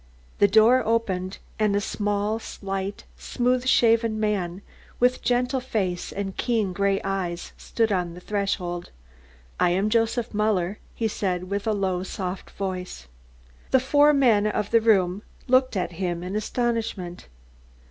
The door opened and a small, slight, smooth shaven man with a gentle face and keen grey eyes stood on the threshold. "I am Joseph Muller," he said with a low, soft voice. The four men in the room looked at him in astonishment.